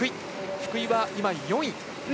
福井は４位。